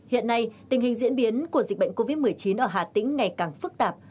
hiện nay tình hình diễn biến của dịch bệnh covid một mươi chín ở hà tĩnh ngày càng phức tạp